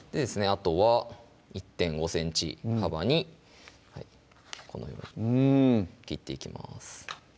あとは１．５ｃｍ幅にこのように切っていきます